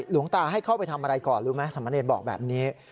หลวงตาให้เข้าไปทำอะไรก่อนรู้ไหมสมเนรบอกแบบนี้